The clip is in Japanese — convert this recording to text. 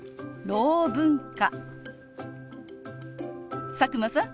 ろう文化。